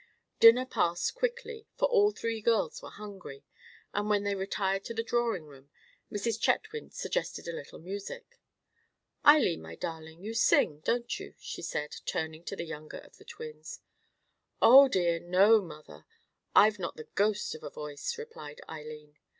Dinner passed quickly, for all three girls were hungry; and when they retired to the drawing room Mrs. Chetwynd suggested a little music. "Eileen, my darling, you sing, don't you?" she said, turning to the younger of the twins. "Oh, dear me, no, mother; I have not the ghost of a voice," replied Eileen.